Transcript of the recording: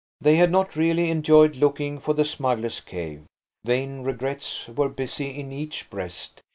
They had not really enjoyed looking for the smugglers' cave. Vain regrets were busy in each breast.